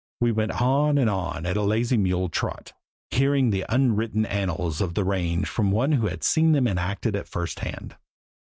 We went on and on at a lazy mule trot, hearing the unwritten annals of the range from one who had seen them enacted at first hand.